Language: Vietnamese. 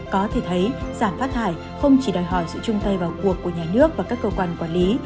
có thể thấy giảm phát thải không chỉ đòi hỏi sự chung tay vào cuộc của nhà nước và các cơ quan quản lý